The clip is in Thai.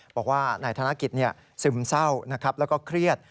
บอกว่านายธนกิจซึมเศร้านะครับแล้วก็เครียด